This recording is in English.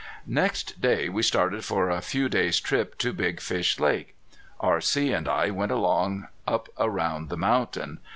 Next day we started for a few days' trip to Big Fish Lake. R.C. and I went along up around the mountain.